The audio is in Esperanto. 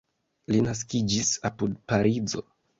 Li naskiĝis apud Parizo.